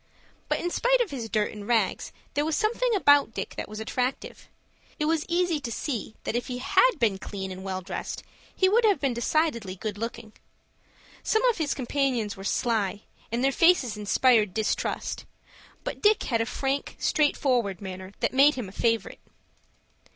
But in spite of his dirt and rags there was something about Dick that was attractive. It was easy to see that if he had been clean and well dressed he would have been decidedly good looking. Some of his companions were sly, and their faces inspired distrust; but Dick had a frank, straight forward manner that made him a favorite.